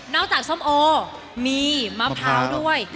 จากส้มโอมีมะพร้าวด้วย